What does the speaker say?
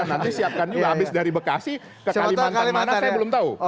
nanti siapkan juga habis dari bekasi ke kalimantan mana saya belum tahu